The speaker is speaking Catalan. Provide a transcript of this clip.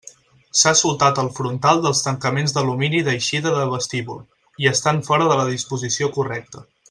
S'ha soltat el frontal dels tancaments d'alumini d'eixida de vestíbul, i estan fora de la disposició correcta.